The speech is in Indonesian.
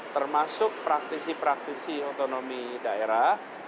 termasuk praktisi praktisi otonomi daerah